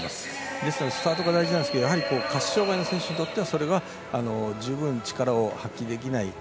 ですのでスタートが大事なんですけれども下肢障がいの選手にとってはそれが十分力を発揮できない。